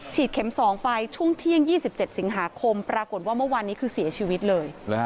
เข็ม๒ไปช่วงเที่ยง๒๗สิงหาคมปรากฏว่าเมื่อวานนี้คือเสียชีวิตเลย